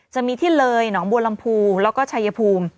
จะมีที่เลยหนองบัวลำพูแล้วก็ชายภูมิ